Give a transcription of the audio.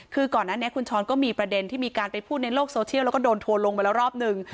คือก่อนหน้านี้คุณช้อนก็มีประเด็นที่มีการไปพูดในโลกโซเชียลแล้วก็โดนทัวลงไปแล้วรอบหนึ่ง